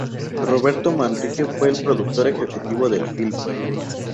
Roberto Manrique fue el productor ejecutivo del filme.